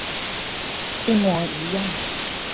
一模一樣